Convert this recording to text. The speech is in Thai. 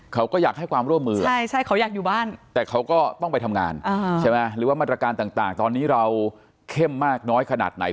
เขาก็อยากให้ความร่วมมือแต่เขาก็ต้องไปทำงานหรือว่ามันตรการต่างตอนนี้เราเข้มมากน้อยขนาดไหน